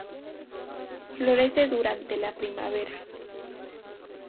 Florece durante la primavera.